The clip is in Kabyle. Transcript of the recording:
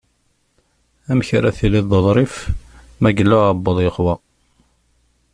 Amek ara tiliḍ d uḍrif, ma yella uεebbuḍ yexwa?